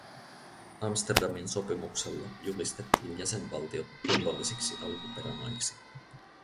Amsterdamin sopimuksella julistettiin jäsenvaltiot turvallisiksi alkuperämaiksi.